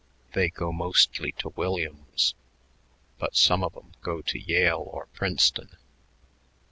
They go mostly to Williams, but some of 'em go to Yale or Princeton.